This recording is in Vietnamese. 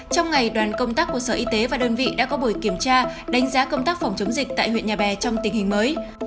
trong ngày đoàn công tác của sở y tế và đơn vị đã có buổi kiểm tra đánh giá công tác phòng chống dịch tại huyện nhà bè trong tình hình mới